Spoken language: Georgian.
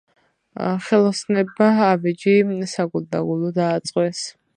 ხელოსნებმა ავეჯი საგულდაგულოდ ააწყვეს